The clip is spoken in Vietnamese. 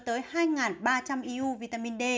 tới hai ba trăm linh eu vitamin d